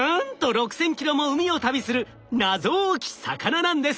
６，０００ｋｍも海を旅する謎多き魚なんです。